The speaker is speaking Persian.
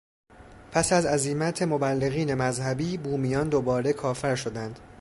پس از عزیمت مبلغین مذهبی، بومیان دوباره کافر شدند.